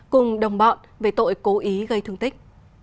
cùng đồng bọn về tội cố ý gây thương tích